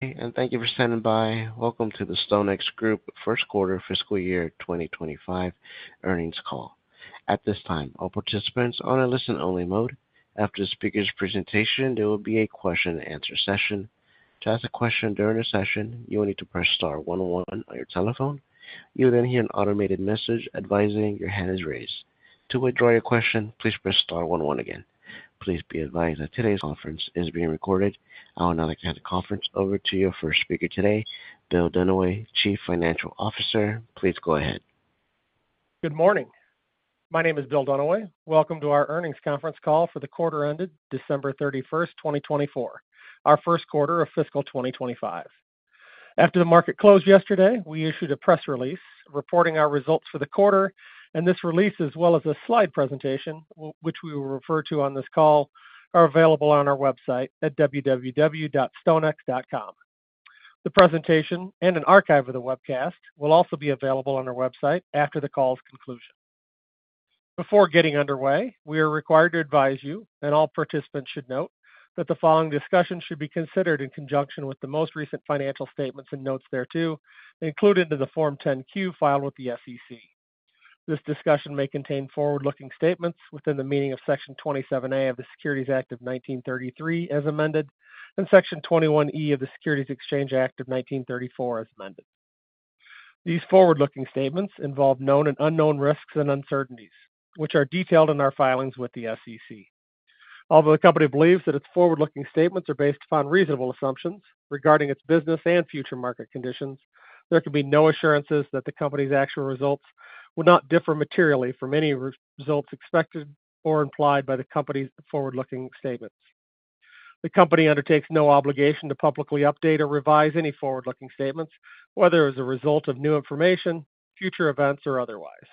And thank you for standing by. Welcome to the StoneX Group first quarter fiscal year 2025 earnings call. At this time, all participants are on a listen-only mode. After the speaker's presentation, there will be a question-and-answer session. To ask a question during the session, you will need to press star one one on your telephone. You will then hear an automated message advising your hand is raised. To withdraw your question, please press star one one again. Please be advised that today's conference is being recorded. I will now turn the conference over to your first speaker today, Bill Dunaway, Chief Financial Officer. Please go ahead. Good morning. My name is Bill Dunaway. Welcome to our earnings conference call for the quarter ended December 31st, 2024, our first quarter of fiscal 2025. After the market closed yesterday, we issued a press release reporting our results for the quarter, and this release, as well as a slide presentation, which we will refer to on this call, are available on our website at www.stonex.com. The presentation and an archive of the webcast will also be available on our website after the call's conclusion. Before getting underway, we are required to advise you, and all participants should note, that the following discussion should be considered in conjunction with the most recent financial statements and notes thereto, included into the Form 10-Q filed with the SEC. This discussion may contain forward-looking statements within the meaning of Section 27A of the Securities Act of 1933, as amended, and Section 21E of the Securities Exchange Act of 1934, as amended. These forward-looking statements involve known and unknown risks and uncertainties, which are detailed in our filings with the SEC. Although the company believes that its forward-looking statements are based upon reasonable assumptions regarding its business and future market conditions, there can be no assurances that the company's actual results will not differ materially from any results expected or implied by the company's forward-looking statements. The company undertakes no obligation to publicly update or revise any forward-looking statements, whether as a result of new information, future events, or otherwise.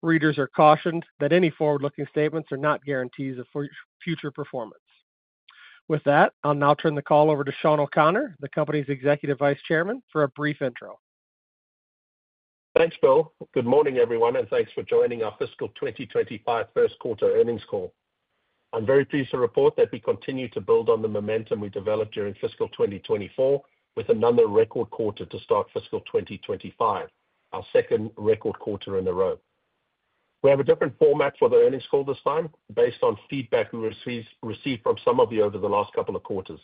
Readers are cautioned that any forward-looking statements are not guarantees of future performance. With that, I'll now turn the call over to Sean O'Connor, the company's Executive Vice Chairman, for a brief intro. Thanks, Bill. Good morning, everyone, and thanks for joining our fiscal 2025 first quarter earnings call. I'm very pleased to report that we continue to build on the momentum we developed during fiscal 2024 with another record quarter to start fiscal 2025, our second record quarter in a row. We have a different format for the earnings call this time, based on feedback we received from some of you over the last couple of quarters.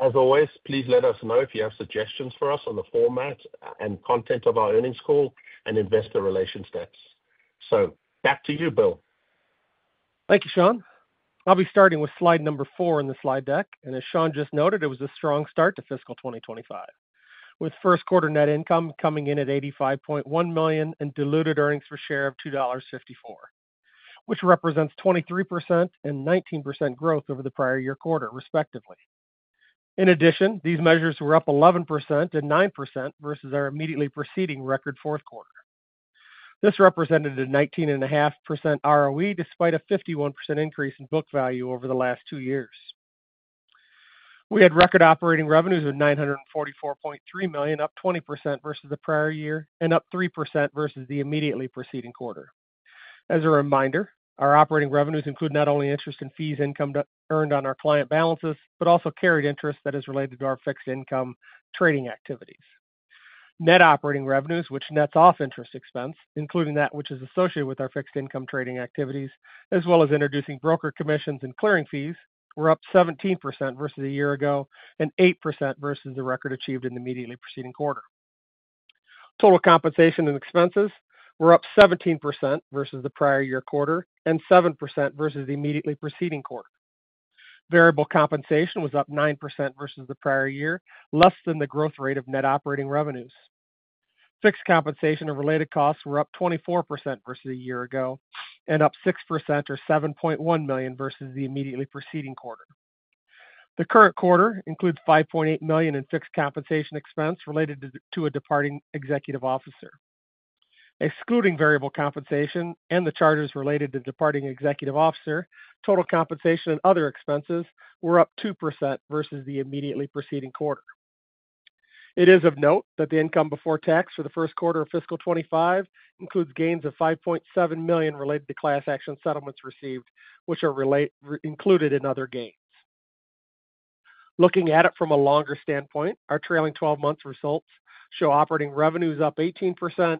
As always, please let us know if you have suggestions for us on the format and content of our earnings call and investor relations site. So back to you, Bill. Thank you, Sean. I'll be starting with slide number four in the slide deck, and as Sean just noted, it was a strong start to fiscal 2025, with first quarter net income coming in at $85.1 million and diluted earnings per share of $2.54, which represents 23% and 19% growth over the prior year quarter, respectively. In addition, these measures were up 11% and 9% versus our immediately preceding record fourth quarter. This represented a 19.5% ROE despite a 51% increase in book value over the last two years. We had record operating revenues of $944.3 million, up 20% versus the prior year and up 3% versus the immediately preceding quarter. As a reminder, our operating revenues include not only interest and fee income earned on our client balances, but also carried interest that is related to our fixed income trading activities. Net operating revenues, which nets off interest expense, including that which is associated with our fixed income trading activities, as well as introducing broker commissions and clearing fees, were up 17% versus a year ago and 8% versus the record achieved in the immediately preceding quarter. Total compensation and expenses were up 17% versus the prior year quarter and 7% versus the immediately preceding quarter. Variable compensation was up 9% versus the prior year, less than the growth rate of net operating revenues. Fixed compensation and related costs were up 24% versus a year ago and up 6% or $7.1 million versus the immediately preceding quarter. The current quarter includes $5.8 million in fixed compensation expense related to a departing executive officer. Excluding variable compensation and the charges related to departing executive officer, total compensation and other expenses were up 2% versus the immediately preceding quarter. It is of note that the income before tax for the first quarter of fiscal 2025 includes gains of $5.7 million related to class action settlements received, which are included in other gains. Looking at it from a longer standpoint, our trailing 12 months results show operating revenues up 18%,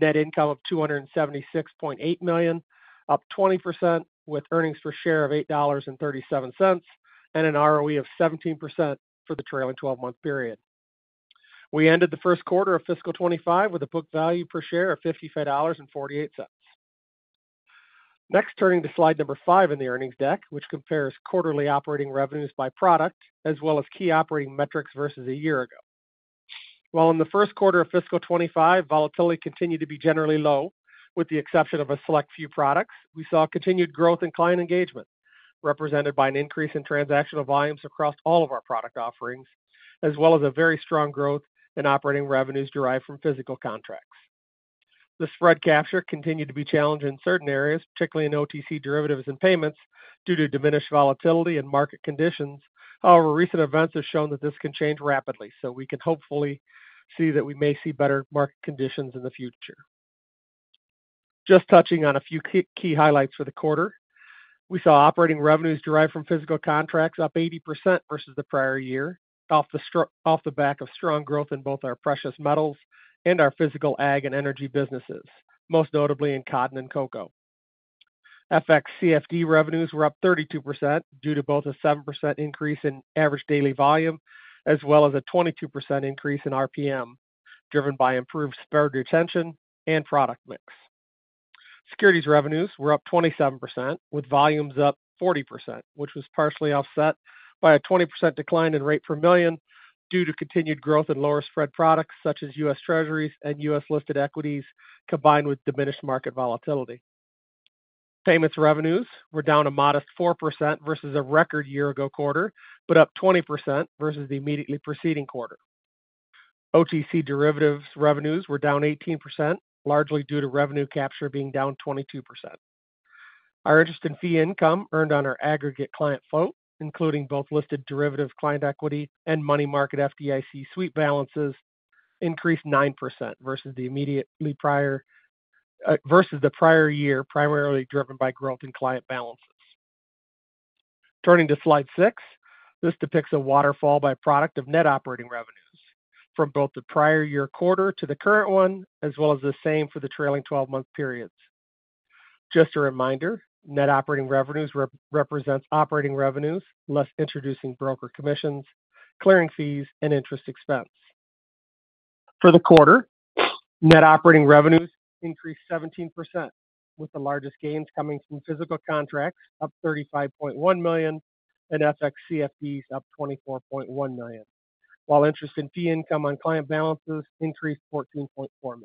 net income of $276.8 million, up 20% with earnings per share of $8.37 and an ROE of 17% for the trailing 12-month period. We ended the first quarter of fiscal 2025 with a book value per share of $55.48. Next, turning to slide number five in the earnings deck, which compares quarterly operating revenues by product as well as key operating metrics versus a year ago. While in the first quarter of fiscal 2025, volatility continued to be generally low, with the exception of a select few products, we saw continued growth in client engagement, represented by an increase in transactional volumes across all of our product offerings, as well as a very strong growth in operating revenues derived from physical contracts. The spread capture continued to be challenged in certain areas, particularly in OTC derivatives and payments, due to diminished volatility and market conditions. However, recent events have shown that this can change rapidly, so we can hopefully see that we may see better market conditions in the future. Just touching on a few key highlights for the quarter, we saw operating revenues derived from physical contracts up 80% versus the prior year, off the back of strong growth in both our precious metals and our physical ag and energy businesses, most notably in cotton and cocoa. FX/CFD revenues were up 32% due to both a 7% increase in average daily volume as well as a 22% increase in RPM, driven by improved spread retention and product mix. Securities revenues were up 27%, with volumes up 40%, which was partially offset by a 20% decline in rate per million due to continued growth in lower spread products such as U.S. Treasuries and U.S. listed equities, combined with diminished market volatility. Payments revenues were down a modest 4% versus a record year-ago quarter, but up 20% versus the immediately preceding quarter. OTC derivatives revenues were down 18%, largely due to revenue capture being down 22%. Our interest and fee income earned on our aggregate client float, including both listed derivative client equity and money market FDIC-swept balances, increased 9% versus the prior year, primarily driven by growth in client balances. Turning to slide six, this depicts a waterfall by product of net operating revenues from both the prior year quarter to the current one, as well as the same for the trailing 12-month periods. Just a reminder, net operating revenues represent operating revenues, less introducing broker commissions, clearing fees, and interest expense. For the quarter, net operating revenues increased 17%, with the largest gains coming from physical contracts up $35.1 million and FX/CFDs up $24.1 million, while interest and fee income on client balances increased $14.4 million.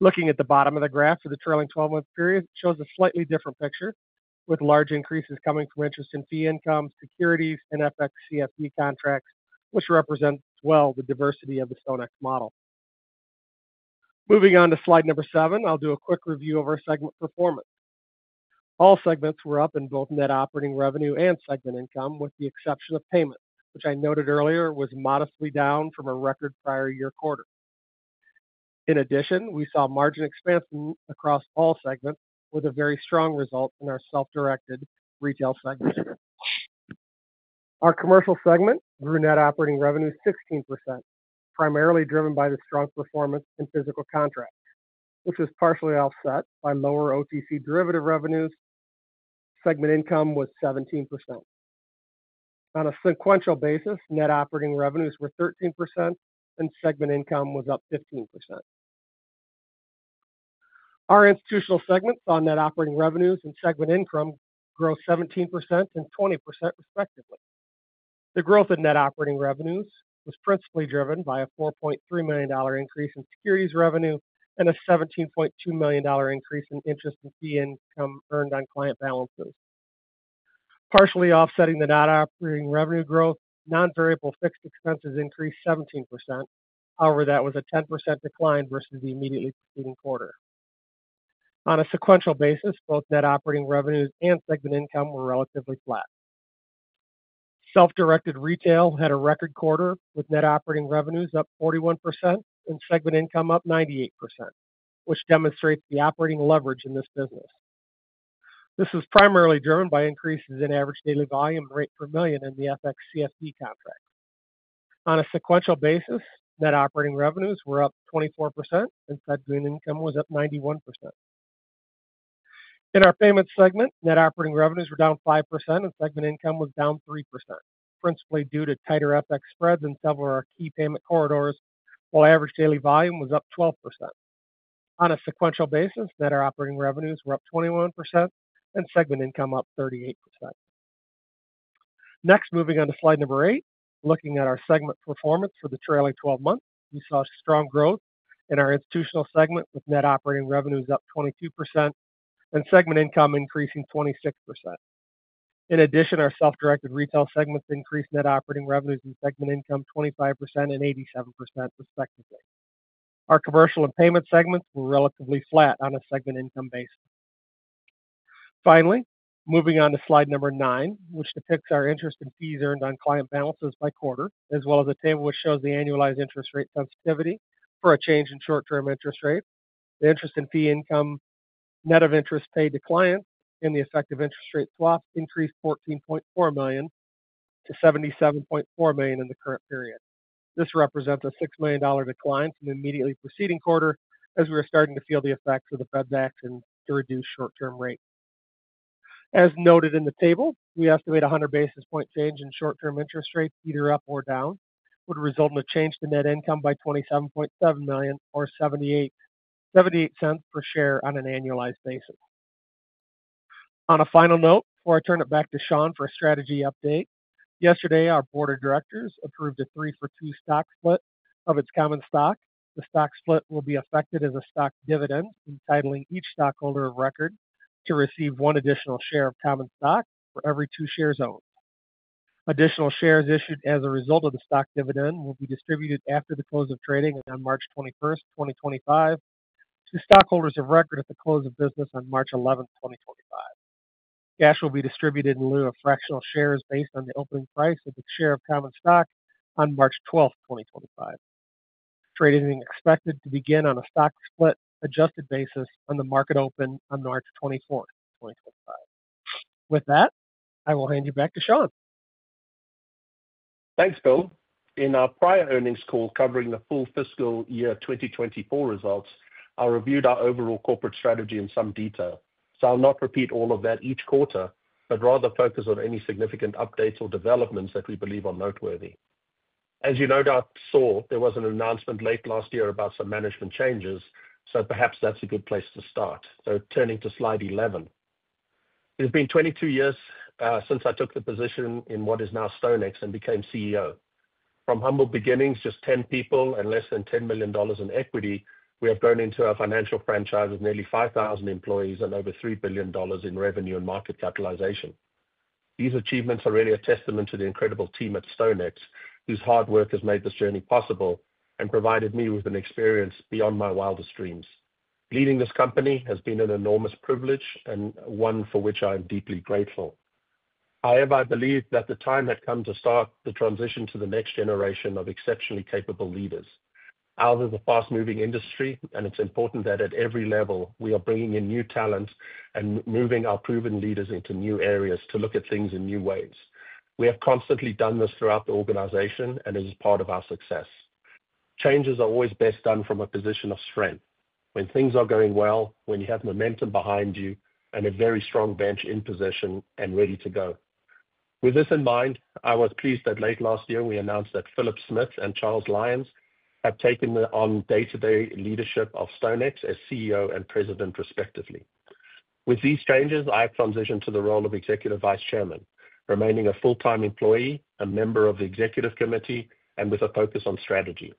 Looking at the bottom of the graph for the trailing 12-month period, it shows a slightly different picture, with large increases coming from interest and fee income, securities, and FX/CFD contracts, which represents well the diversity of the StoneX model. Moving on to slide number seven, I'll do a quick review of our segment performance. All segments were up in both net operating revenue and segment income, with the exception of payments, which I noted earlier was modestly down from a record prior year quarter. In addition, we saw margin expansion across all segments, with a very strong result in our self-directed retail segment. Our commercial segment grew net operating revenues 16%, primarily driven by the strong performance in physical contracts, which was partially offset by lower OTC derivatives revenues. Segment income was 17%. On a sequential basis, net operating revenues were 13%, and segment income was up 15%. Our institutional segment saw net operating revenues and segment income grow 17% and 20%, respectively. The growth in net operating revenues was principally driven by a $4.3 million increase in securities revenue and a $17.2 million increase in interest and fee income earned on client balances. Partially offsetting the net operating revenue growth, non-variable fixed expenses increased 17%. However, that was a 10% decline versus the immediately preceding quarter. On a sequential basis, both net operating revenues and segment income were relatively flat. Self-directed retail had a record quarter with net operating revenues up 41% and segment income up 98%, which demonstrates the operating leverage in this business. This was primarily driven by increases in average daily volume and rate per million in the FX/CFD contracts. On a sequential basis, net operating revenues were up 24%, and segment income was up 91%. In our payments segment, net operating revenues were down 5%, and segment income was down 3%, principally due to tighter FX spreads in several of our key payment corridors, while average daily volume was up 12%. On a sequential basis, net operating revenues were up 21%, and segment income up 38%. Next, moving on to slide number eight, looking at our segment performance for the trailing 12 months, we saw strong growth in our institutional segment with net operating revenues up 22% and segment income increasing 26%. In addition, our self-directed retail segments increased net operating revenues and segment income 25% and 87%, respectively. Our commercial and payment segments were relatively flat on a segment income basis. Finally, moving on to slide number nine, which depicts our interest and fees earned on client balances by quarter, as well as a table which shows the annualized interest rate sensitivity for a change in short-term interest rate. The interest and fee income, net of interest paid to clients, and the effective interest rate swap increased $14.4 million to $77.4 million in the current period. This represents a $6 million decline from the immediately preceding quarter, as we were starting to feel the effects of the Fed's action to reduce short-term rates. As noted in the table, we estimate a 100 basis point change in short-term interest rates, either up or down, would result in a change to net income by $27.7 million or $0.78 per share on an annualized basis. On a final note, before I turn it back to Sean for a strategy update, yesterday, our board of directors approved a three-for-two stock split of its common stock. The stock split will be effected as a stock dividend, entitling each stockholder of record to receive one additional share of common stock for every two shares owned. Additional shares issued as a result of the stock dividend will be distributed after the close of trading on March 21st, 2025, to stockholders of record at the close of business on March 11th, 2025. Cash will be distributed in lieu of fractional shares based on the opening price of the share of common stock on March 12th, 2025. Trading is expected to begin on a stock split adjusted basis on the market open on March 24th, 2025. With that, I will hand you back to Sean. Thanks, Bill. In our prior earnings call covering the full fiscal year 2024 results, I reviewed our overall corporate strategy in some detail. So I'll not repeat all of that each quarter, but rather focus on any significant updates or developments that we believe are noteworthy. As you no doubt saw, there was an announcement late last year about some management changes, so perhaps that's a good place to start. So turning to slide 11. It has been 22 years since I took the position in what is now StoneX and became CEO. From humble beginnings, just 10 people and less than $10 million in equity, we have grown into a financial franchise of nearly 5,000 employees and over $3 billion in revenue and market capitalization. These achievements are really a testament to the incredible team at StoneX, whose hard work has made this journey possible and provided me with an experience beyond my wildest dreams. Leading this company has been an enormous privilege and one for which I am deeply grateful. However, I believe that the time had come to start the transition to the next generation of exceptionally capable leaders. Ours is a fast-moving industry, and it's important that at every level, we are bringing in new talents and moving our proven leaders into new areas to look at things in new ways. We have constantly done this throughout the organization, and it is part of our success. Changes are always best done from a position of strength, when things are going well, when you have momentum behind you, and a very strong bench in position and ready to go. With this in mind, I was pleased that late last year, we announced that Philip Smith and Charles Lyon have taken on day-to-day leadership of StoneX as CEO and President, respectively. With these changes, I have transitioned to the role of Executive Vice Chairman, remaining a full-time employee, a member of the executive committee, and with a focus on strategy.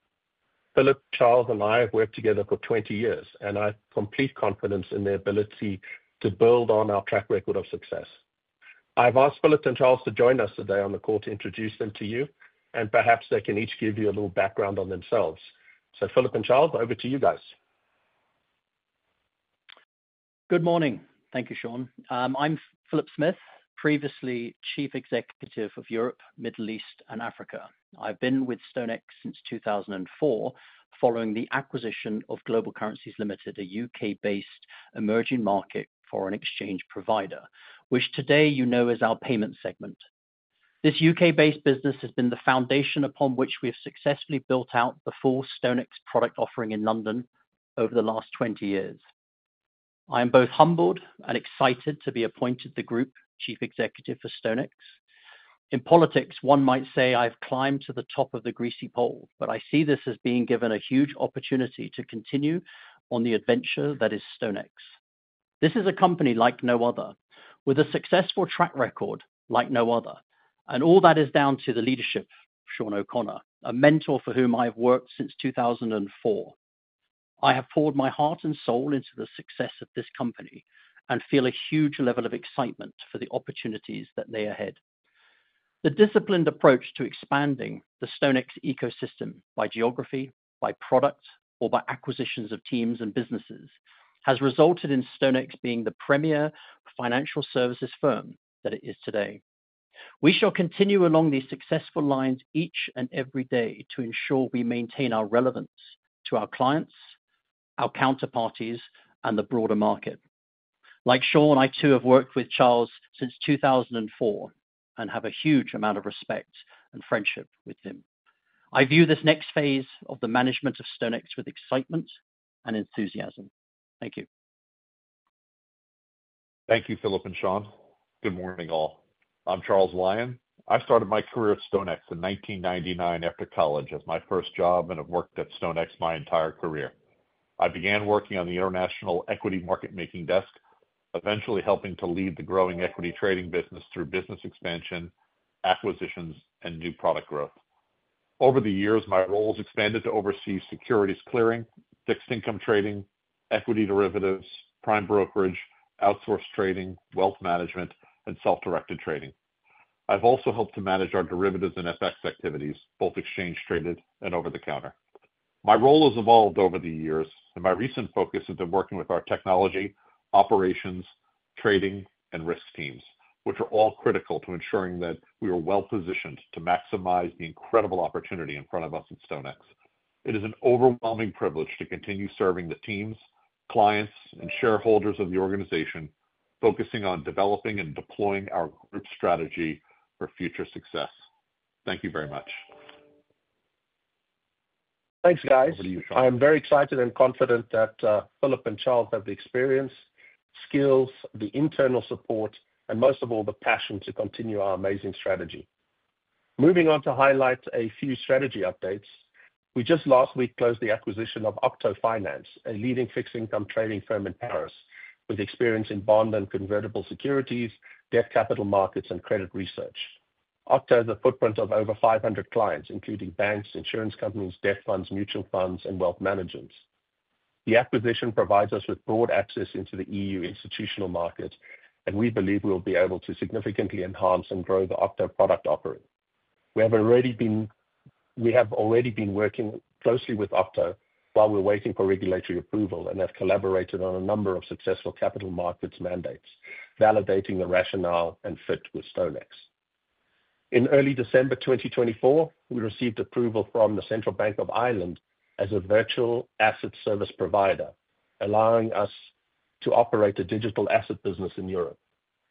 Philip, Charles, and I have worked together for 20 years, and I have complete confidence in their ability to build on our track record of success. I've asked Philip and Charles to join us today on the call to introduce them to you, and perhaps they can each give you a little background on themselves. So Philip and Charles, over to you guys. Good morning. Thank you, Sean. I'm Philip Smith, previously chief executive of Europe, Middle East, and Africa. I've been with StoneX since 2004, following the acquisition of Global Currencies Limited, a U.K.-based emerging market foreign exchange provider, which today you know as our payments segment. This U.K.-based business has been the foundation upon which we have successfully built out the full StoneX product offering in London over the last 20 years. I am both humbled and excited to be appointed the Group Chief Executive for StoneX. In politics, one might say I've climbed to the top of the greasy pole, but I see this as being given a huge opportunity to continue on the adventure that is StoneX. This is a company like no other, with a successful track record like no other, and all that is down to the leadership of Sean O'Connor, a mentor for whom I have worked since 2004. I have poured my heart and soul into the success of this company and feel a huge level of excitement for the opportunities that lay ahead. The disciplined approach to expanding the StoneX ecosystem by geography, by product, or by acquisitions of teams and businesses has resulted in StoneX being the premier financial services firm that it is today. We shall continue along these successful lines each and every day to ensure we maintain our relevance to our clients, our counterparties, and the broader market. Like Sean, I too have worked with Charles since 2004 and have a huge amount of respect and friendship with him. I view this next phase of the management of StoneX with excitement and enthusiasm. Thank you. Thank you, Philip and Sean. Good morning, all. I'm Charles Lyon. I started my career at StoneX in 1999 after college as my first job and have worked at StoneX my entire career. I began working on the international equity market-making desk, eventually helping to lead the growing equity trading business through business expansion, acquisitions, and new product growth. Over the years, my roles expanded to oversee securities clearing, fixed income trading, equity derivatives, prime brokerage, outsource trading, wealth management, and self-directed trading. I've also helped to manage our derivatives and FX activities, both exchange-traded and over the counter. My role has evolved over the years, and my recent focus has been working with our technology, operations, trading, and risk teams, which are all critical to ensuring that we are well-positioned to maximize the incredible opportunity in front of us at StoneX. It is an overwhelming privilege to continue serving the teams, clients, and shareholders of the organization, focusing on developing and deploying our group strategy for future success. Thank you very much. Thanks, guys. I'm very excited and confident that Philip and Charles have the experience, skills, the internal support, and most of all, the passion to continue our amazing strategy. Moving on to highlight a few strategy updates, we just last week closed the acquisition of Octo Finances, a leading fixed income trading firm in Paris with experience in bond and convertible securities, debt capital markets, and credit research. Octo has a footprint of over 500 clients, including banks, insurance companies, debt funds, mutual funds, and wealth managers. The acquisition provides us with broad access into the EU institutional market, and we believe we will be able to significantly enhance and grow the Octo product offering. We have already been working closely with Octo while we're waiting for regulatory approval and have collaborated on a number of successful capital markets mandates, validating the rationale and fit with StoneX. In early December 2024, we received approval from the Central Bank of Ireland as a virtual asset service provider, allowing us to operate a digital asset business in Europe.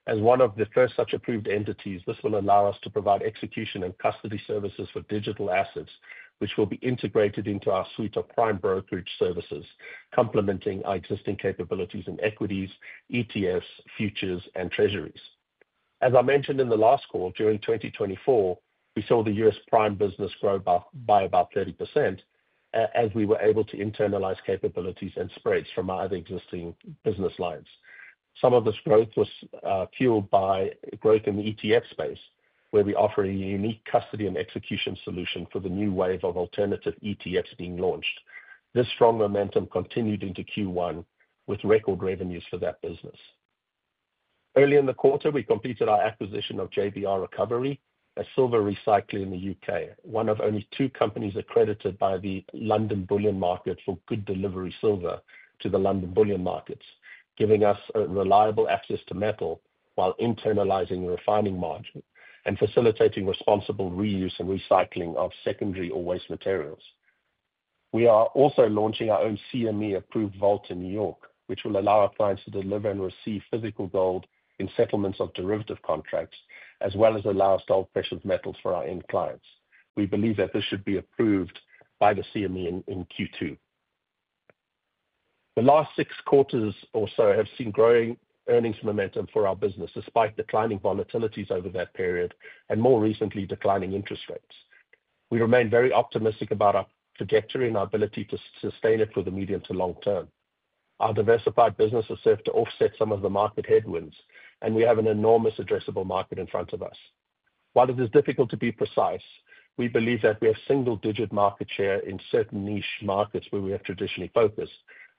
As one of the first such approved entities, this will allow us to provide execution and custody services for digital assets, which will be integrated into our suite of prime brokerage services, complementing our existing capabilities in equities, ETFs, futures, and treasuries. As I mentioned in the last call, during 2024, we saw the U.S. prime business grow by about 30% as we were able to internalize capabilities and spreads from our existing business lines. Some of this growth was fueled by growth in the ETF space, where we offer a unique custody and execution solution for the new wave of alternative ETFs being launched. This strong momentum continued into Q1 with record revenues for that business. Early in the quarter, we completed our acquisition of JBR Recovery, a silver recycler in the U.K., one of only two companies accredited by the London Bullion Market for good delivery silver to the London Bullion Market, giving us reliable access to metal while internalizing the refining margin and facilitating responsible reuse and recycling of secondary or waste materials. We are also launching our own CME-approved vault in New York, which will allow our clients to deliver and receive physical gold in settlements of derivative contracts, as well as allow storage of precious metals for our end clients. We believe that this should be approved by the CME in Q2. The last six quarters or so have seen growing earnings momentum for our business, despite declining volatilities over that period and more recently declining interest rates. We remain very optimistic about our trajectory and our ability to sustain it for the medium to long term. Our diversified business has served to offset some of the market headwinds, and we have an enormous addressable market in front of us. While it is difficult to be precise, we believe that we have single-digit market share in certain niche markets where we have traditionally focused,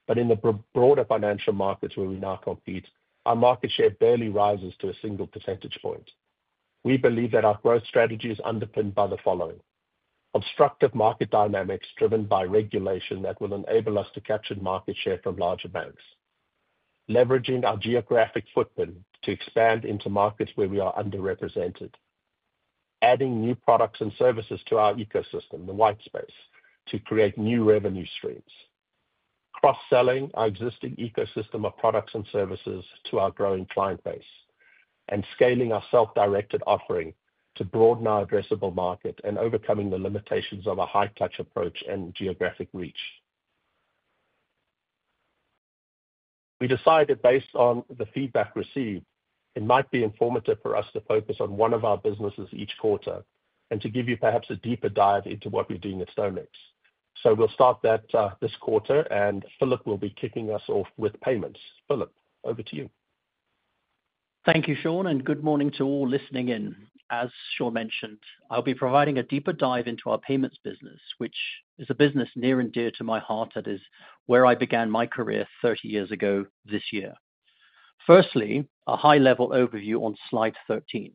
but in the broader financial markets where we now compete, our market share barely rises to a single percentage point. We believe that our growth strategy is underpinned by the following: obstructive market dynamics driven by regulation that will enable us to capture market share from larger banks, leveraging our geographic footprint to expand into markets where we are underrepresented, adding new products and services to our ecosystem, the white space, to create new revenue streams, cross-selling our existing ecosystem of products and services to our growing client base, and scaling our self-directed offering to broaden our addressable market and overcoming the limitations of a high-touch approach and geographic reach. We decided based on the feedback received, it might be informative for us to focus on one of our businesses each quarter and to give you perhaps a deeper dive into what we're doing at StoneX. So we'll start that this quarter, and Philip will be kicking us off with payments. Philip, over to you. Thank you, Sean, and good morning to all listening in. As Sean mentioned, I'll be providing a deeper dive into our payments business, which is a business near and dear to my heart. It is where I began my career 30 years ago this year. Firstly, a high-level overview on slide 13.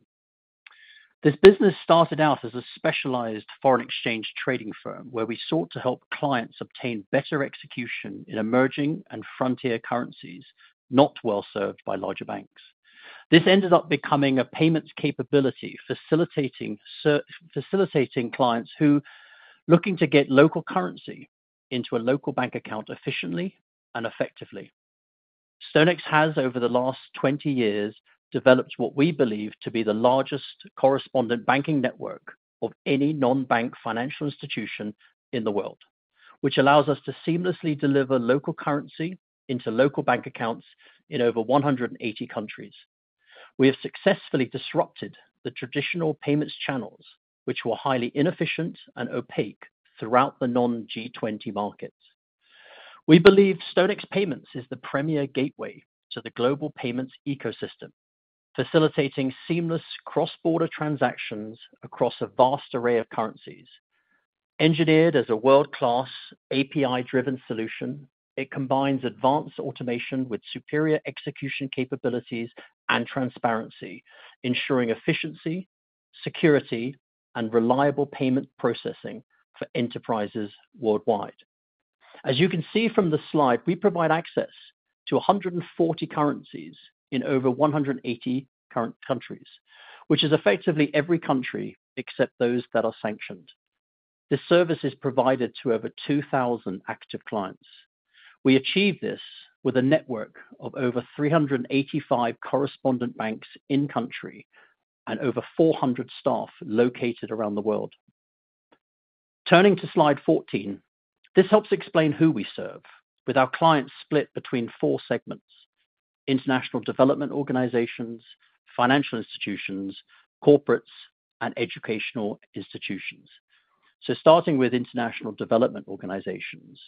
This business started out as a specialized foreign exchange trading firm where we sought to help clients obtain better execution in emerging and frontier currencies not well served by larger banks. This ended up becoming a payments capability facilitating clients looking to get local currency into a local bank account efficiently and effectively. StoneX has, over the last 20 years, developed what we believe to be the largest correspondent banking network of any non-bank financial institution in the world, which allows us to seamlessly deliver local currency into local bank accounts in over 180 countries. We have successfully disrupted the traditional payments channels, which were highly inefficient and opaque throughout the non-G20 markets. We believe StoneX Payments is the premier gateway to the global payments ecosystem, facilitating seamless cross-border transactions across a vast array of currencies. Engineered as a world-class API-driven solution, it combines advanced automation with superior execution capabilities and transparency, ensuring efficiency, security, and reliable payment processing for enterprises worldwide. As you can see from the slide, we provide access to 140 currencies in over 180 countries, which is effectively every country except those that are sanctioned. This service is provided to over 2,000 active clients. We achieve this with a network of over 385 correspondent banks in-country and over 400 staff located around the world. Turning to slide 14, this helps explain who we serve, with our clients split between four segments: international development organizations, financial institutions, corporates, and educational institutions. Starting with international development organizations,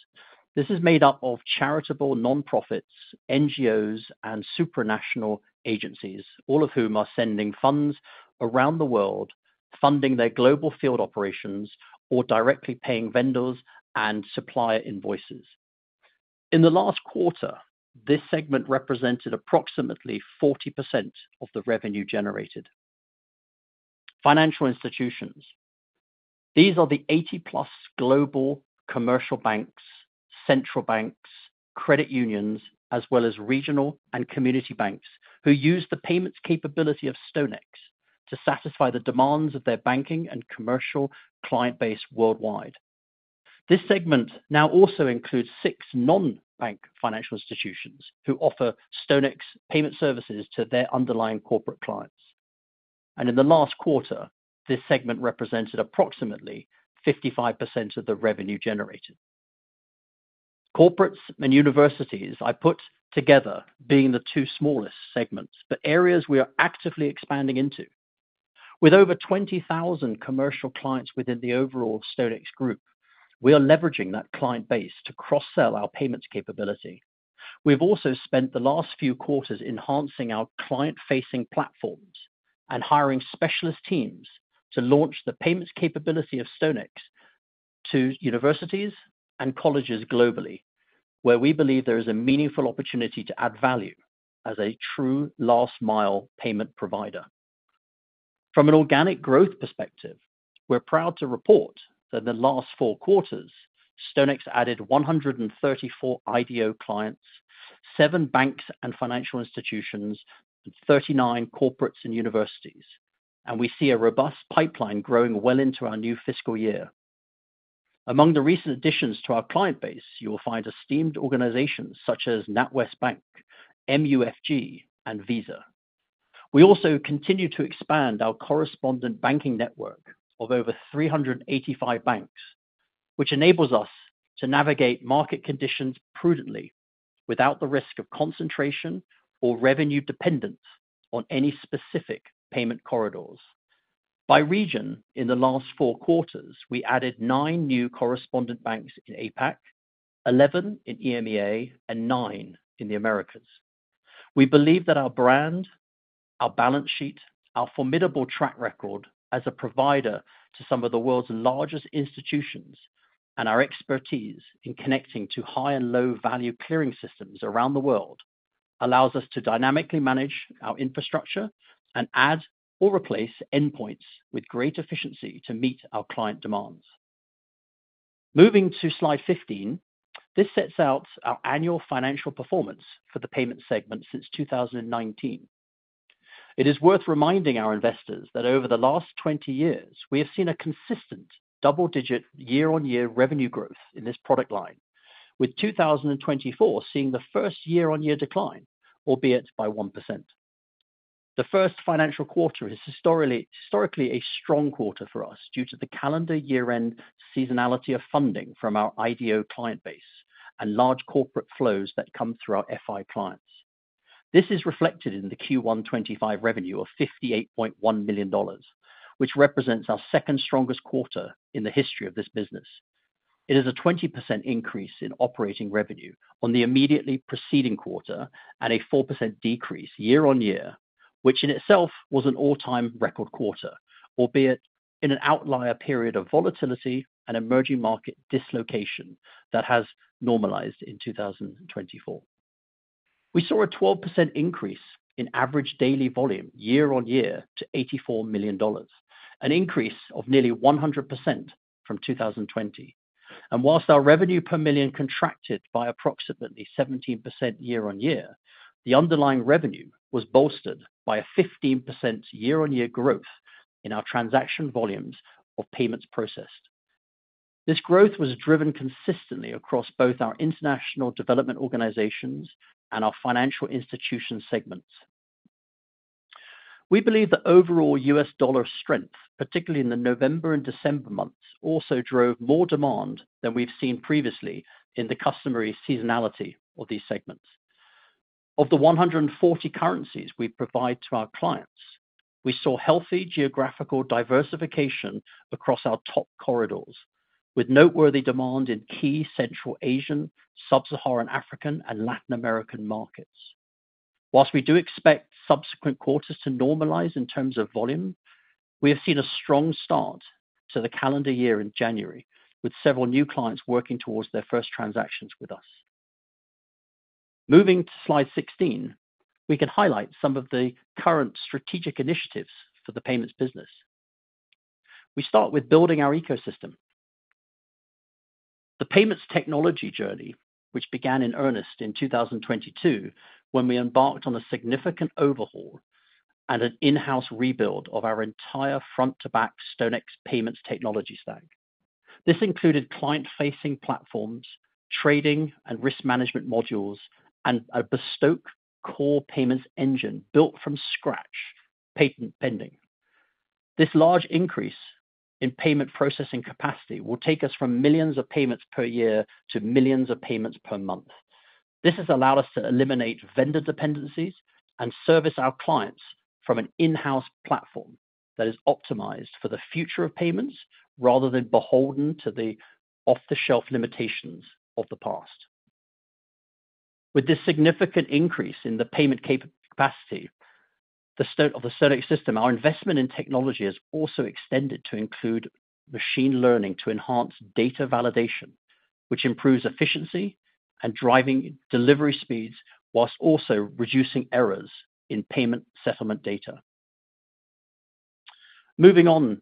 this is made up of charitable nonprofits, NGOs, and supranational agencies, all of whom are sending funds around the world, funding their global field operations or directly paying vendors and supplier invoices. In the last quarter, this segment represented approximately 40% of the revenue generated. Financial institutions, these are the 80+ global commercial banks, central banks, credit unions, as well as regional and community banks who use the payments capability of StoneX to satisfy the demands of their banking and commercial client base worldwide. This segment now also includes six non-bank financial institutions who offer StoneX payment services to their underlying corporate clients. In the last quarter, this segment represented approximately 55% of the revenue generated. Corporates and universities, I put together, being the two smallest segments, but areas we are actively expanding into. With over 20,000 commercial clients within the overall StoneX Group, we are leveraging that client base to cross-sell our payments capability. We've also spent the last few quarters enhancing our client-facing platforms and hiring specialist teams to launch the payments capability of StoneX to universities and colleges globally, where we believe there is a meaningful opportunity to add value as a true last-mile payment provider. From an organic growth perspective, we're proud to report that in the last four quarters, StoneX added 134 IDO clients, seven banks and financial institutions, and 39 corporates and universities, and we see a robust pipeline growing well into our new fiscal year. Among the recent additions to our client base, you will find esteemed organizations such as NatWest Bank, MUFG, and Visa. We also continue to expand our correspondent banking network of over 385 banks, which enables us to navigate market conditions prudently without the risk of concentration or revenue dependence on any specific payment corridors. By region, in the last four quarters, we added nine new correspondent banks in APAC, 11 in EMEA, and nine in the Americas. We believe that our brand, our balance sheet, our formidable track record as a provider to some of the world's largest institutions, and our expertise in connecting to high and low-value clearing systems around the world allows us to dynamically manage our infrastructure and add or replace endpoints with great efficiency to meet our client demands. Moving to slide 15, this sets out our annual financial performance for the payments segment since 2019. It is worth reminding our investors that over the last 20 years, we have seen a consistent double-digit year-on-year revenue growth in this product line, with 2024 seeing the first year-on-year decline, albeit by 1%. The first financial quarter is historically a strong quarter for us due to the calendar year-end seasonality of funding from our IDO client base and large corporate flows that come through our FI clients. This is reflected in the Q1 '25 revenue of $58.1 million, which represents our second strongest quarter in the history of this business. It is a 20% increase in operating revenue on the immediately preceding quarter and a 4% decrease year-on-year, which in itself was an all-time record quarter, albeit in an outlier period of volatility and emerging market dislocation that has normalized in 2024. We saw a 12% increase in average daily volume year-on-year to $84 million, an increase of nearly 100% from 2020. And while our revenue per million contracted by approximately 17% year-on-year, the underlying revenue was bolstered by a 15% year-on-year growth in our transaction volumes of payments processed. This growth was driven consistently across both our international development organizations and our financial institution segments. We believe the overall U.S. dollar strength, particularly in the November and December months, also drove more demand than we've seen previously in the customary seasonality of these segments. Of the 140 currencies we provide to our clients, we saw healthy geographical diversification across our top corridors, with noteworthy demand in key Central Asian, Sub-Saharan African, and Latin American markets. While we do expect subsequent quarters to normalize in terms of volume, we have seen a strong start to the calendar year in January, with several new clients working towards their first transactions with us. Moving to slide 16, we can highlight some of the current strategic initiatives for the payments business. We start with building our ecosystem. The payments technology journey, which began in earnest in 2022 when we embarked on a significant overhaul and an in-house rebuild of our entire front-to-back StoneX payments technology stack. This included client-facing platforms, trading and risk management modules, and a bespoke core payments engine built from scratch, patent pending. This large increase in payment processing capacity will take us from millions of payments per year to millions of payments per month. This has allowed us to eliminate vendor dependencies and service our clients from an in-house platform that is optimized for the future of payments rather than beholden to the off-the-shelf limitations of the past. With this significant increase in the payment capacity of the StoneX system, our investment in technology has also extended to include machine learning to enhance data validation, which improves efficiency and driving delivery speeds while also reducing errors in payment settlement data. Moving on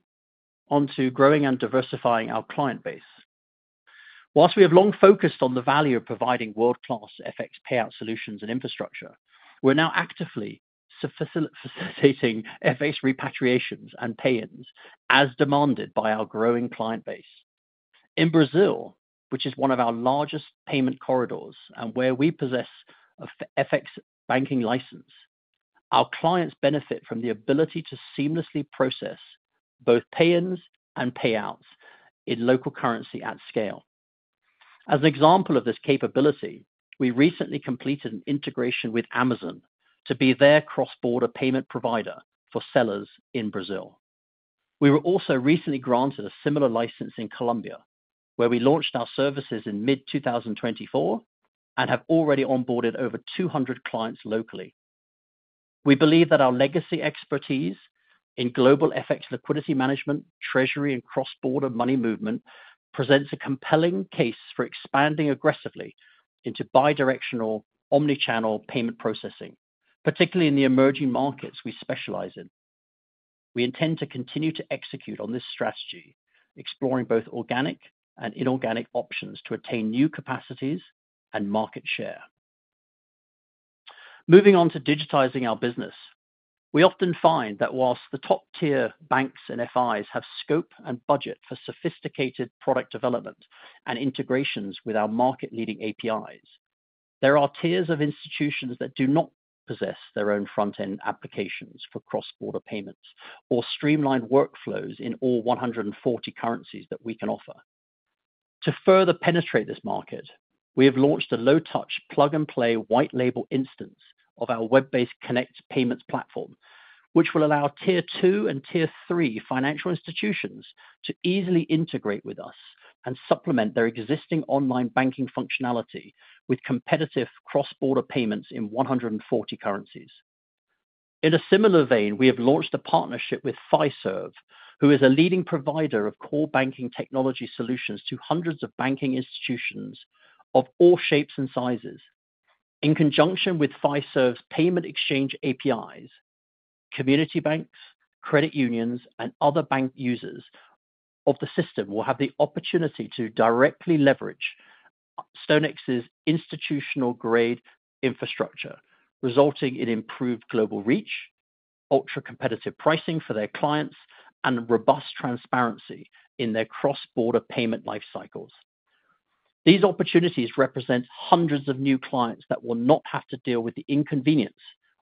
to growing and diversifying our client base. While we have long focused on the value of providing world-class FX payout solutions and infrastructure, we're now actively facilitating FX repatriations and pay-ins as demanded by our growing client base. In Brazil, which is one of our largest payment corridors and where we possess a FX banking license, our clients benefit from the ability to seamlessly process both pay-ins and payouts in local currency at scale. As an example of this capability, we recently completed an integration with Amazon to be their cross-border payment provider for sellers in Brazil. We were also recently granted a similar license in Colombia, where we launched our services in mid-2024 and have already onboarded over 200 clients locally. We believe that our legacy expertise in global FX liquidity management, treasury, and cross-border money movement presents a compelling case for expanding aggressively into bidirectional omnichannel payment processing, particularly in the emerging markets we specialize in. We intend to continue to execute on this strategy, exploring both organic and inorganic options to attain new capacities and market share. Moving on to digitizing our business, we often find that while the top-tier banks and FIs have scope and budget for sophisticated product development and integrations with our market-leading APIs, there are tiers of institutions that do not possess their own front-end applications for cross-border payments or streamlined workflows in all 140 currencies that we can offer. To further penetrate this market, we have launched a low-touch plug-and-play white-label instance of our web-based Connect payments platform, which will allow tier two and tier three financial institutions to easily integrate with us and supplement their existing online banking functionality with competitive cross-border payments in 140 currencies. In a similar vein, we have launched a partnership with Fiserv, who is a leading provider of core banking technology solutions to hundreds of banking institutions of all shapes and sizes. In conjunction with Fiserv's Payments Exchange APIs, community banks, credit unions, and other bank users of the system will have the opportunity to directly leverage StoneX's institutional-grade infrastructure, resulting in improved global reach, ultra-competitive pricing for their clients, and robust transparency in their cross-border payment life cycles. These opportunities represent hundreds of new clients that will not have to deal with the inconvenience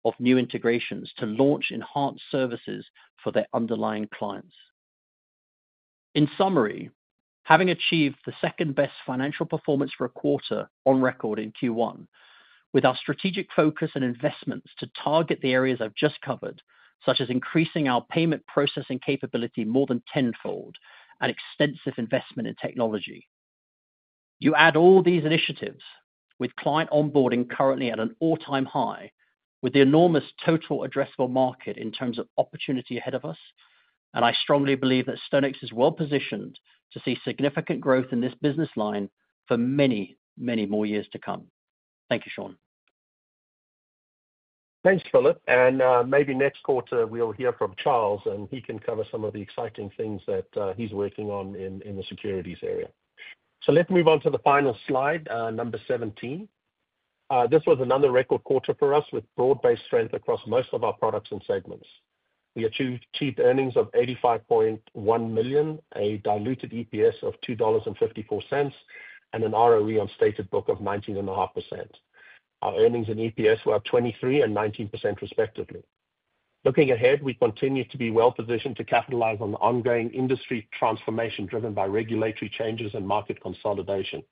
of new integrations to launch enhanced services for their underlying clients. In summary, having achieved the second-best financial performance for a quarter on record in Q1, with our strategic focus and investments to target the areas I've just covered, such as increasing our payment processing capability more than tenfold and extensive investment in technology. You add all these initiatives, with client onboarding currently at an all-time high, with the enormous total addressable market in terms of opportunity ahead of us, and I strongly believe that StoneX is well positioned to see significant growth in this business line for many, many more years to come. Thank you, Sean. Thanks, Philip. Maybe next quarter, we'll hear from Charles, and he can cover some of the exciting things that he's working on in the securities area. Let's move on to the final slide, number 17. This was another record quarter for us, with broad-based strength across most of our products and segments. We achieved GAAP earnings of $85.1 million, a diluted EPS of $2.54, and an ROE on stated book of 19.5%. Our earnings and EPS were at 23% and 19%, respectively. Looking ahead, we continue to be well positioned to capitalize on the ongoing industry transformation driven by regulatory changes and market consolidation.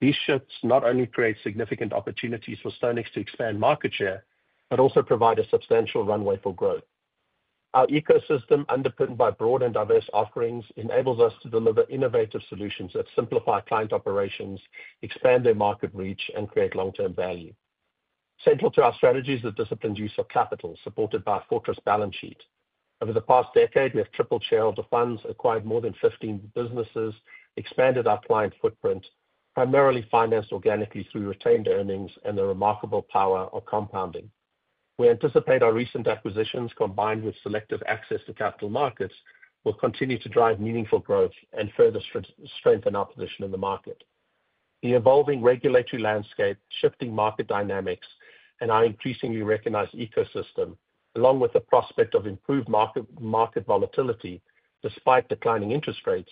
These shifts not only create significant opportunities for StoneX to expand market share, but also provide a substantial runway for growth. Our ecosystem, underpinned by broad and diverse offerings, enables us to deliver innovative solutions that simplify client operations, expand their market reach, and create long-term value. Central to our strategy is the disciplined use of capital, supported by a fortress balance sheet. Over the past decade, we have tripled shareholder funds, acquired more than 15 businesses, expanded our client footprint, primarily financed organically through retained earnings and the remarkable power of compounding. We anticipate our recent acquisitions, combined with selective access to capital markets, will continue to drive meaningful growth and further strengthen our position in the market. The evolving regulatory landscape, shifting market dynamics, and our increasingly recognized ecosystem, along with the prospect of improved market volatility despite declining interest rates,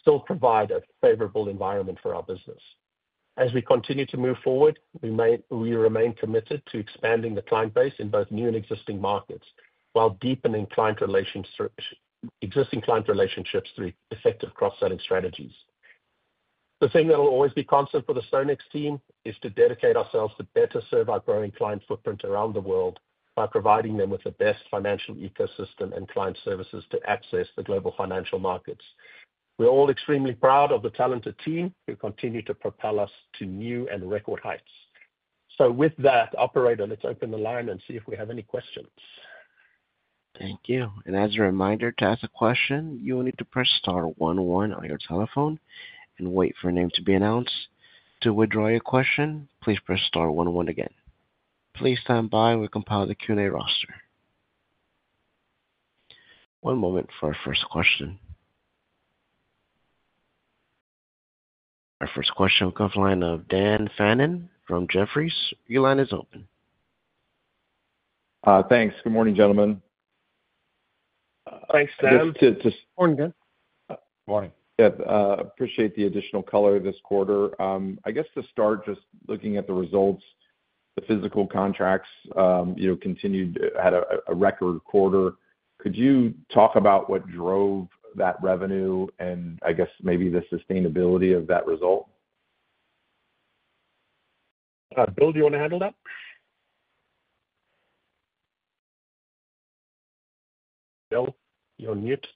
still provide a favorable environment for our business. As we continue to move forward, we remain committed to expanding the client base in both new and existing markets while deepening existing client relationships through effective cross-selling strategies. The thing that will always be constant for the StoneX team is to dedicate ourselves to better serve our growing client footprint around the world by providing them with the best financial ecosystem and client services to access the global financial markets. We're all extremely proud of the talented team who continue to propel us to new and record heights. So with that, Operator, let's open the line and see if we have any questions. Thank you. As a reminder, to ask a question, you will need to press star one one on your telephone and wait for a name to be announced. To withdraw your question, please press star one one again. Please stand by while we compile the Q&A roster. One moment for our first question. Our first question will come from the line of Dan Fannon from Jefferies. Your line is open. Thanks. Good morning, gentlemen. Good Morning, Dan. Good morning, Dan. Good morning. Yeah. Appreciate the additional color this quarter. I guess to start, just looking at the results, the physical contracts continued had a record quarter. Could you talk about what drove that revenue and, I guess, maybe the sustainability of that result? Bill, do you want to handle that? Bill, you're on mute.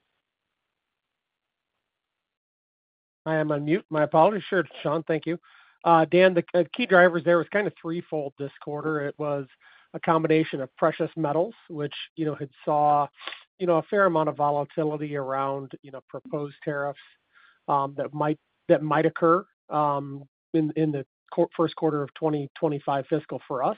Hi, I'm on mute. My apologies. Sure, Sean, thank you. Dan, the key drivers there was kind of threefold this quarter. It was a combination of precious metals, which had saw a fair amount of volatility around proposed tariffs that might occur in the first quarter of 2025 fiscal for us,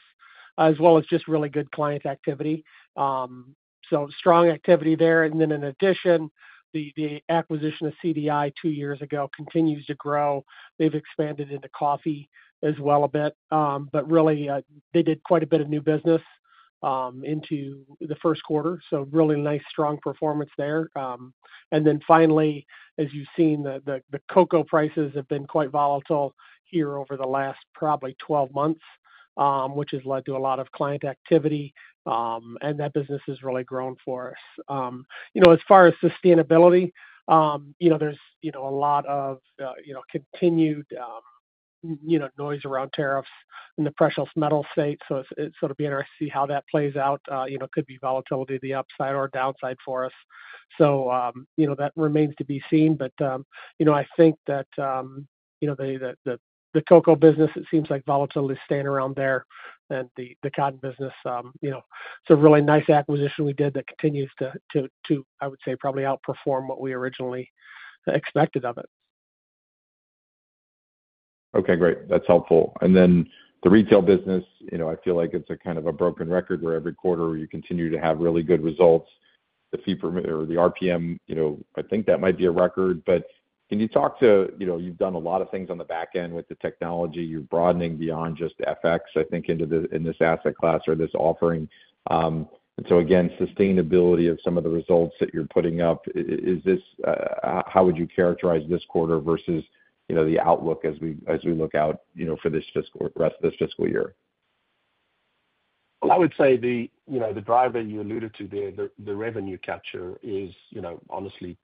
as well as just really good client activity. So strong activity there. And then, in addition, the acquisition of CDI two years ago continues to grow. They've expanded into coffee as well a bit, but really, they did quite a bit of new business into the first quarter. So really nice, strong performance there. And then finally, as you've seen, the cocoa prices have been quite volatile here over the last probably 12 months, which has led to a lot of client activity. And that business has really grown for us. As far as sustainability, there's a lot of continued noise around tariffs and the precious metal state. So it's sort of interesting to see how that plays out. It could be volatility to the upside or downside for us. So that remains to be seen. But I think that the cocoa business, it seems like volatility is staying around there. And the cotton business, it's a really nice acquisition we did that continues to, I would say, probably outperform what we originally expected of it. Okay, great. That's helpful. And then the retail business, I feel like it's a kind of a broken record where every quarter you continue to have really good results. The RPM, I think that might be a record. But can you talk to you've done a lot of things on the back end with the technology. You're broadening beyond just FX, I think, in this asset class or this offering. And so, again, sustainability of some of the results that you're putting up, how would you characterize this quarter versus the outlook as we look out for the rest of this fiscal year? Well, I would say the driver you alluded to there, the revenue capture, is honestly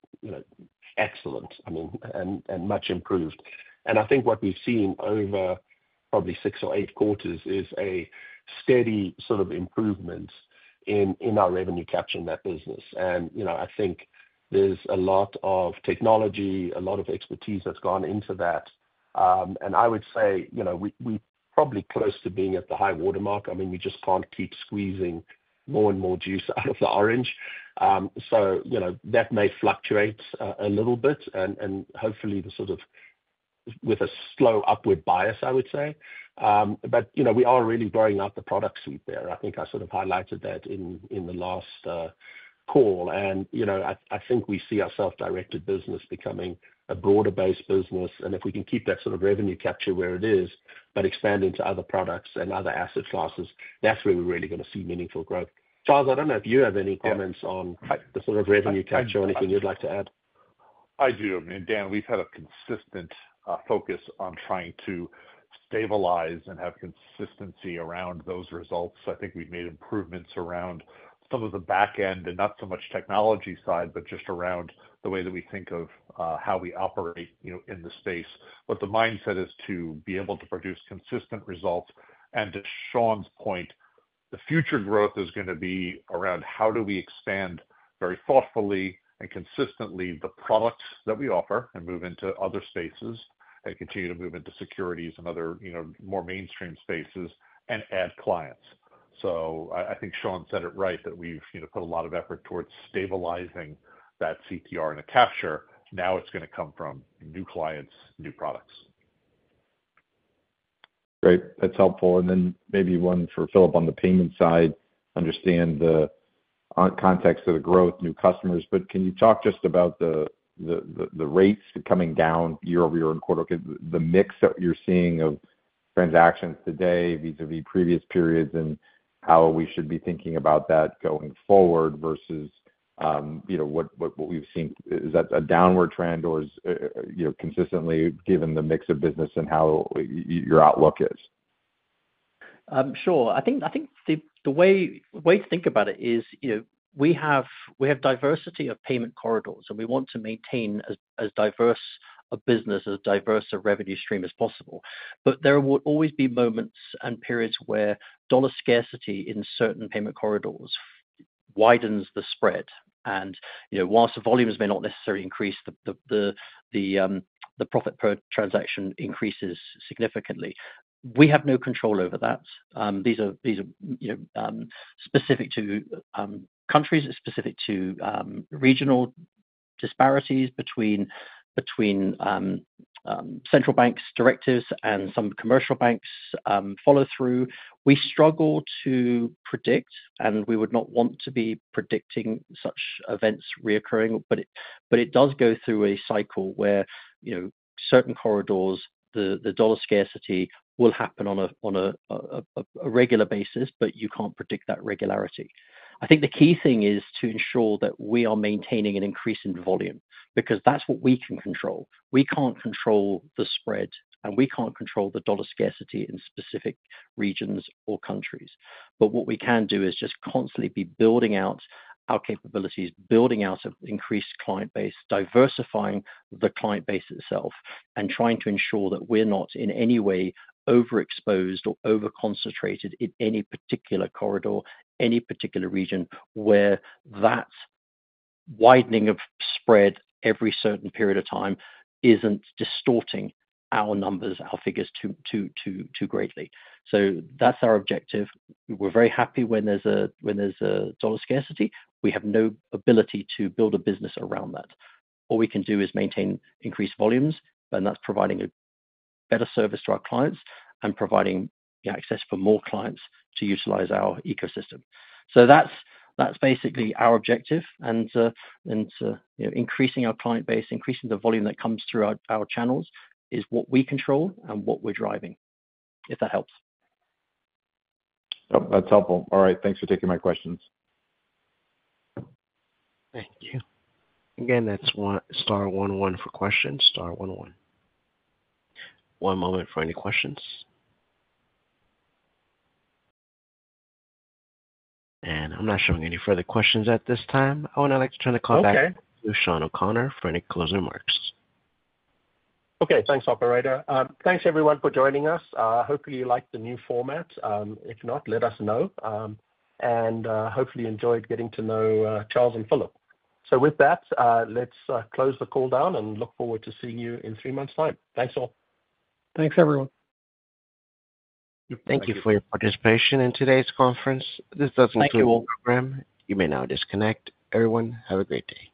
excellent, I mean, and much improved. And I think what we've seen over probably six or eight quarters is a steady sort of improvement in our revenue capture in that business. And I think there's a lot of technology, a lot of expertise that's gone into that. And I would say we're probably close to being at the high watermark. I mean, we just can't keep squeezing more and more juice out of the orange. So that may fluctuate a little bit and hopefully with a slow upward bias, I would say. But we are really growing out the product suite there. I think I sort of highlighted that in the last call. And I think we see our self-directed business becoming a broader-based business. And if we can keep that sort of revenue capture where it is, but expand into other products and other asset classes, that's where we're really going to see meaningful growth. Charles, I don't know if you have any comments on the sort of revenue capture or anything you'd like to add. I do. I mean, Dan, we've had a consistent focus on trying to stabilize and have consistency around those results. I think we've made improvements around some of the back end and not so much technology side, but just around the way that we think of how we operate in the space. But the mindset is to be able to produce consistent results. And to Sean's point, the future growth is going to be around how do we expand very thoughtfully and consistently the products that we offer and move into other spaces and continue to move into securities and other more mainstream spaces and add clients. So I think Sean said it right that we've put a lot of effort towards stabilizing that CPR and the capture. Now it's going to come from new clients, new products. Great. That's helpful. And then maybe one for Philip on the payment side, understand the context of the growth, new customers. But can you talk just about the rates coming down year over year in quarter? The mix that you're seeing of transactions today vis-à-vis previous periods and how we should be thinking about that going forward versus what we've seen. Is that a downward trend or consistently given the mix of business and how your outlook is? Sure. I think the way to think about it is we have diversity of payment corridors, and we want to maintain as diverse a business, as diverse a revenue stream as possible, but there will always be moments and periods where dollar scarcity in certain payment corridors widens the spread. And while the volumes may not necessarily increase, the profit per transaction increases significantly. We have no control over that. These are specific to countries, specific to regional disparities between central banks' directives and some commercial banks' follow-through. We struggle to predict, and we would not want to be predicting such events recurring, but it does go through a cycle where certain corridors, the dollar scarcity will happen on a regular basis, but you can't predict that regularity. I think the key thing is to ensure that we are maintaining an increase in volume because that's what we can control. We can't control the spread, and we can't control the dollar scarcity in specific regions or countries. But what we can do is just constantly be building out our capabilities, building out an increased client base, diversifying the client base itself, and trying to ensure that we're not in any way overexposed or overconcentrated in any particular corridor, any particular region where that widening of spread every certain period of time isn't distorting our numbers, our figures too greatly. So that's our objective. We're very happy when there's a dollar scarcity. We have no ability to build a business around that. All we can do is maintain increased volumes, and that's providing a better service to our clients and providing access for more clients to utilize our ecosystem. So that's basically our objective. And increasing our client base, increasing the volume that comes through our channels is what we control and what we're driving, if that helps. Yep. That's helpful. All right. Thanks for taking my questions. Thank you. Again, that's star one one for questions. Star one one. One moment for any questions. And I'm not showing any further questions at this time. Oh, and I'd like to turn the call back to Sean O'Connor for any closing remarks. Okay. Thanks, Operator. Thanks, everyone, for joining us. Hopefully, you liked the new format. If not, let us know. And hopefully, you enjoyed getting to know Charles and Philip. So with that, let's close the call down and look forward to seeing you in three months' time. Thanks, all. Thanks, everyone. Thank you for your participation in today's conference. This include the program. You may now disconnect. Everyone, have a great day.